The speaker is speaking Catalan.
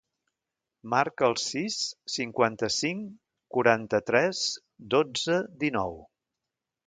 Marca el sis, cinquanta-cinc, quaranta-tres, dotze, dinou.